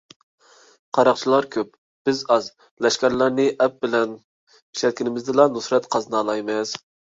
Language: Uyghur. قاراقچىلار كۆپ، بىز ئاز؛ لەشكەرلەرنى ئەپ بىلەن ئىشلەتكىنىمىزدىلا نۇسرەت قازىنالايمىز.